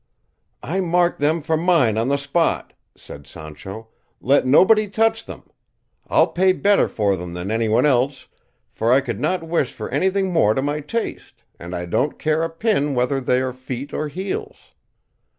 "I mark them for mine on the spot," said Sancho; "let nobody touch them; I'll pay better for them than anyone else, for I could not wish for anything more to my taste; and I don't care a pin whether they are feet or heels."